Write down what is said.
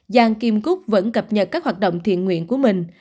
giang kim cúc vẫn cập nhật các hoạt động thiện nguyện của mình